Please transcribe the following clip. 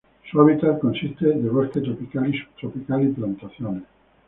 Su hábitat consiste de bosque tropical y subtropical y plantaciones.